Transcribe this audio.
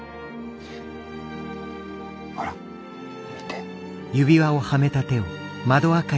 ほら見て。